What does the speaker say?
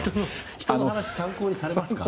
人の話を参考にされますか？